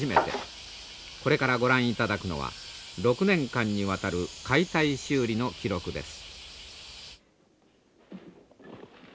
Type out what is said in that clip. これからご覧いただくのは６年間にわたる解体修理の記録です。